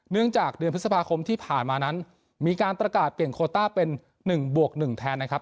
เนื่องจากเดือนพฤษภาคมที่ผ่านมานั้นมีการประกาศเปลี่ยนโคต้าเป็น๑บวก๑แทนนะครับ